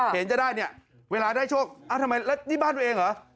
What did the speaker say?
เห็นจะได้เวลาได้โชคนี่บ้านตัวเองเหรอ